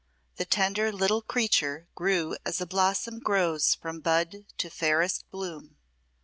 The tender little creature grew as a blossom grows from bud to fairest bloom.